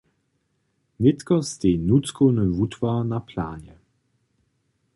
Nětko steji nutřkowny wutwar na planje.